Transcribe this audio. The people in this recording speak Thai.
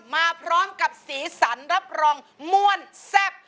มาพร้อมกับสีสันรับรองม่วนแซ่บ